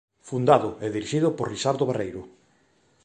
Fundado e dirixido por Lisardo Barreiro.